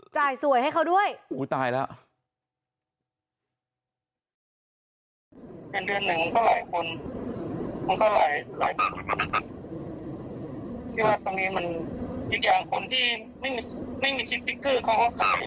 จ่ายสวยให้เขาด้วยโอ้โหตายแล้ว